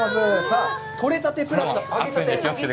さあ、取れたてプラス揚げたて。